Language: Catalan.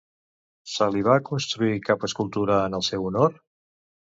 Se li va construir cap escultura en el seu honor?